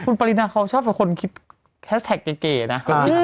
คุณปารีนาเขาชอบคนคิดแพสต์แท็กเก๋นะ